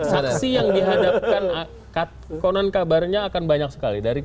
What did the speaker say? saksi yang dihadapkan konon kabarnya akan banyak sekali